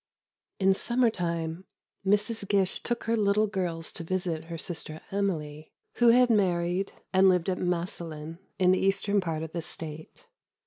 In summer time Mrs. Gish took her little girls to visit her sister Emily, who had married and lived at Massillon, in the eastern part of the state.